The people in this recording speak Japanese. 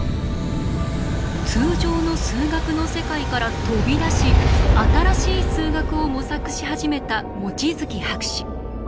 通常の数学の世界から飛び出し新しい数学を模索し始めた望月博士。